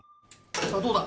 さあどうだ？